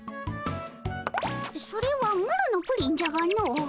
それはマロのプリンじゃがの。